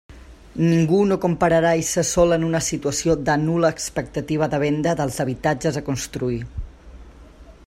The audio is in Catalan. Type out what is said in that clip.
Ningú no comprarà eixe sòl en una situació de nul·la expectativa de venda dels habitatges a construir.